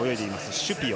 シュピオ。